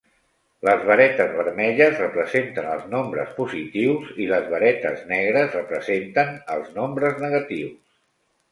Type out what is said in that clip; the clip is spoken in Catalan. Les varetes vermelles representen els nombres positius i les varetes negres representen els nombres negatius.